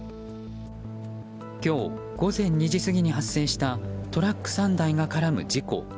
今日午前２時過ぎに発生したトラック３台が絡む事故。